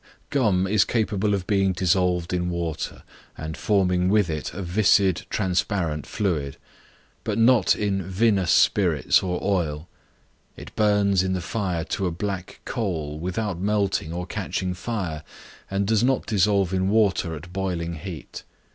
Gum is capable of being dissolved in water, and forming with it a viscid transparent fluid; but not in vinous spirits or oil; it burns in the fire to a black coal, without melting or catching fire; and does not dissolve in water at boiling heat.